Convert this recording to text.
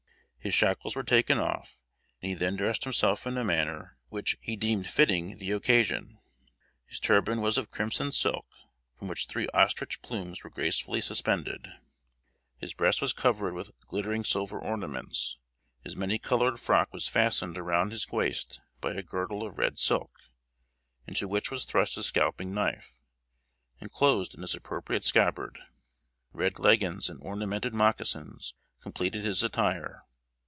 His shackles were taken off; and he then dressed himself in a manner which he deemed fitting the occasion. His turban was of crimson silk, from which three ostrich plumes were gracefully suspended; his breast was covered with glittering silver ornaments; his many colored frock was fastened around his waist by a girdle of red silk, into which was thrust his scalping knife, enclosed in its appropriate scabbard. Red leggins and ornamented moccasins completed his attire.